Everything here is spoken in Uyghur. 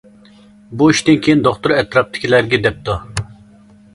بۇ ئىشتىن كېيىن، دوختۇر ئەتراپىدىكىلەرگە دەپتۇ.